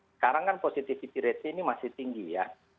sekarang kan positivity rate ini masih tinggi ya